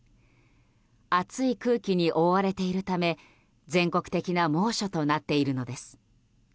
熱い空気に覆われているため全国的な猛暑となっているのです。